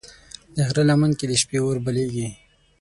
د غره لمن کې د شپې اور بلېږي.